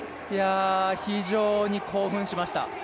非常に興奮しました。